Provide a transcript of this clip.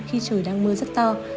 khi trời đang mưa rất to